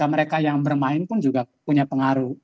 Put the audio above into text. mereka yang bermain pun juga punya pengaruh